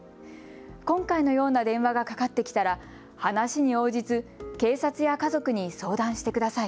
今回のような電話がかかってきたら話に応じず警察や家族に相談してください。